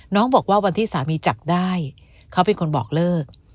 บอกว่าวันที่สามีจับได้เขาเป็นคนบอกเลิก